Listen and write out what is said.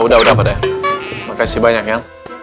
udah udah pada makasih banyak ya